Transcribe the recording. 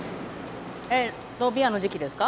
えっとびわの時期ですか？